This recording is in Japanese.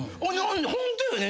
ホントよね。